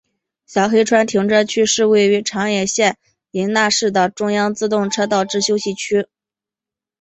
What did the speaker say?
小黑川停车区是位于长野县伊那市的中央自动车道之休息区。